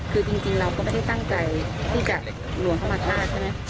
คือจริงเราก็ไม่ได้ตั้งใจที่จะหลวงพระมาธาตุใช่ไหม